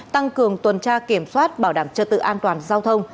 tăng cường tuần tra kiểm soát bảo đảm trật tự an toàn giao thông